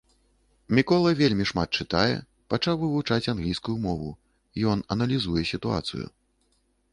Мікола вельмі шмат чытае, пачаў вывучаць англійскую мову, ён аналізуе сітуацыю.